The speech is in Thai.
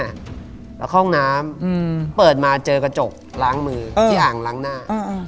แล้วเข้าห้องน้ำเปิดมาเจอกระจกล้างมือที่อ่างล้างหน้า